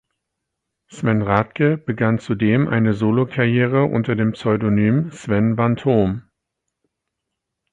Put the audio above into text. Sven Rathke begann zudem eine Solokarriere unter dem Pseudonym Sven van Thom.